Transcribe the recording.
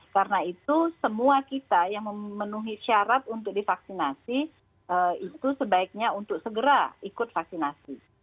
karena itu semua kita yang memenuhi syarat untuk divaksinasi itu sebaiknya untuk segera ikut vaksinasi